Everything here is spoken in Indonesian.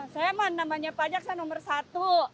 saya mah namanya pajak saya nomor satu